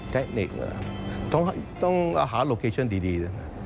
เทคนิคต้องหาโลเคชั่นดี